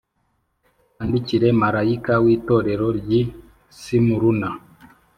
“Wandikire marayika w’Itorero ry’i Simuruna